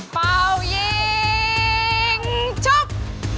เป่ายิงชก